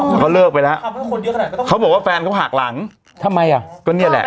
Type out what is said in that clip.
แต่เขาเลิกไปแล้วเขาบอกว่าแฟนเขาหักหลังทำไมอ่ะก็เนี่ยแหละ